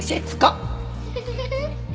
フフフフフ。